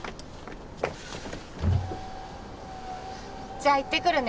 じゃあ行ってくるね。